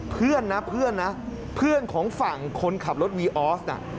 เพื่อนนะเพื่อนนะเพื่อนของฝั่งคนขับรถวีออสน่ะ